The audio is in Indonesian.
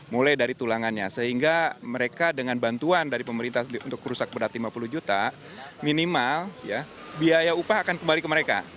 mulai dari tulangannya sehingga mereka dengan bantuan dari pemerintah untuk rusak berat lima puluh juta minimal biaya upah akan kembali ke mereka